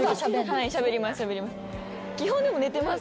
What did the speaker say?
はいしゃべります。